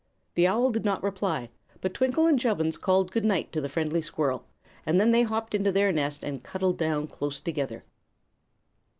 The owl did not reply, but Twinkle and Chubbins called good night to the friendly squirrel, and then they hopped into their nest and cuddled down close together.